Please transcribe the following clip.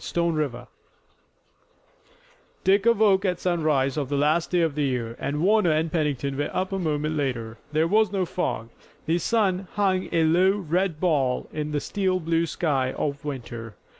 STONE RIVER Dick awoke at sunrise of the last day of the year, and Warner and Pennington were up a moment later. There was no fog. The sun hung a low, red ball in the steel blue sky of winter.